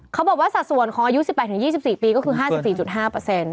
เขาบอกว่าสัดส่วนของอายุ๑๘๒๔ปีก็คือ๕๔๕เปอร์เซนต์